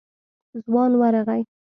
ځوان ورغی.